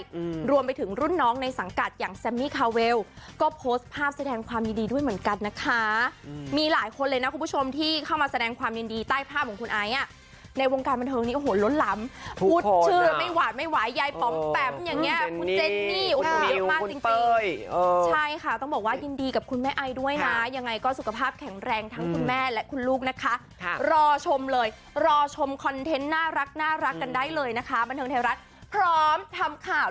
ด้วยรวมไปถึงรุ่นน้องในสังกัดอย่างแซมมี่คาเวลก็โพสต์ภาพแสดงความยินดีด้วยเหมือนกันนะคะมีหลายคนเลยนะคุณผู้ชมที่เข้ามาแสดงความยินดีใต้ภาพของคุณไอ้อ่ะในวงการบรรเทิงนี้โอ้โหลดลำทุกคนอ่ะอุดชื่อไม่หวานไม่หวายยายปำปแปปอย่างเงี้ยคุณเจนนี่คุณเต้ยคุณเต้ยเออใช่ค่ะต้องบอกว่